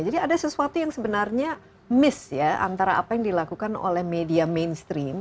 jadi ada sesuatu yang sebenarnya miss ya antara apa yang dilakukan oleh media mainstream